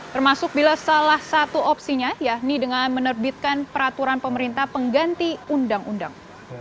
termasuk bila salah satu opsinya yakni dengan menerbitkan peraturan pemerintah pengganti undang undang